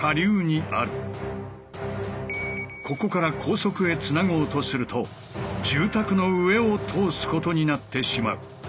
ここから高速へつなごうとすると住宅の上を通すことになってしまう。